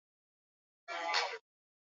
wito wako sasa hivi kwa wananchi